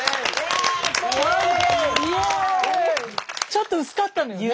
ちょっと薄かったのよね。